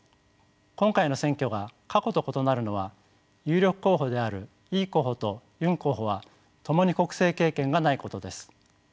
今回の選挙が過去と異なるのは有力候補であるイ候補とユン候補はともに国政経験がないことです。